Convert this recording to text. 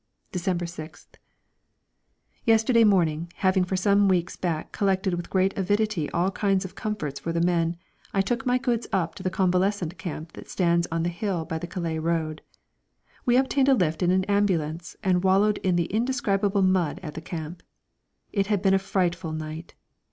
December 6th. Yesterday morning, having for some weeks back collected with great avidity all kinds of comforts for the men, I took my goods up to the convalescent camp that stands on the hill by the Calais road. We obtained a lift in an ambulance and wallowed in the indescribable mud at the camp. It had been a frightful night.